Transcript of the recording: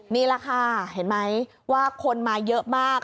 นี่แหละค่ะเห็นไหมว่าคนมาเยอะมาก